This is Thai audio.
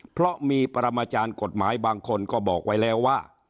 เพราะมีปรมาจารย์กฎหมายบางคนก็บอกไว้แล้วว่า